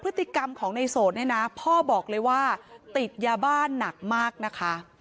พฤติกรรมของในโสดเนี่ยนะพ่อบอกเลยว่าติดยาบ้านหนักมากนะคะ